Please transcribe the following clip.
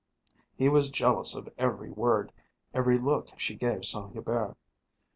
He was jealous of every word, every look she gave Saint Hubert.